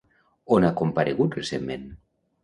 On ha comparegut recentment?